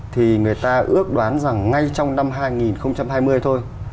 thì người ta ước đoán rằng ngay trong năm hai nghìn hai mươi thôi